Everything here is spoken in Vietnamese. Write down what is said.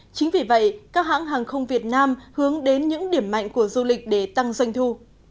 chính vì vậy các hãng hàng không việt nam hướng đến những điểm mạnh của du lịch để tăng doanh thu